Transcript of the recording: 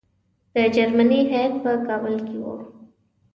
د جرمني هیات په کابل کې وو.